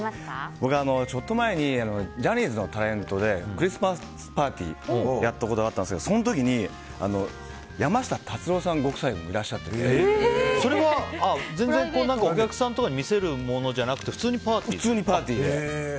僕、ちょっと前にジャニーズのタレントでクリスマスパーティーをやったことがあったんですけどその時に山下達郎さんご夫妻もそれは、お客さんとかに見せるものじゃなくて普通にパーティーを？